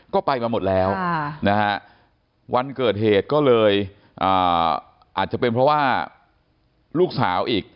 ก็ไปมาหมดแล้วนะฮะวันเกิดเหตุก็เลยอาจจะเป็นเพราะว่าลูกสาวอีก